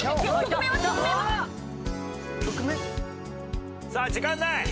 曲名？さあ時間ない！